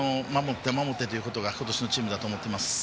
守ってということが今年のチームだと思っています。